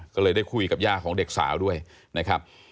ก็เลยได้คุยกับย่าของเด็กสาวด้วยนะครับ